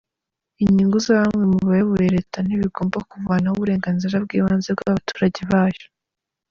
Inyungu za bamwe mu bayoboye Leta ntibigomba kuvanaho uburenganzira bw’ibanze bw’abaturage bayo.